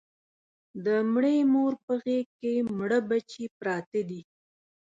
د مړې مور په غېږ کې مړه بچي پراته دي